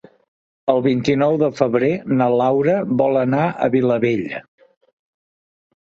El vint-i-nou de febrer na Laura vol anar a Vilabella.